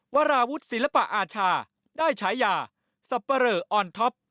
วราวุฒิศิลปะอาชาได้ฉายาสับปะเรอออนท็อป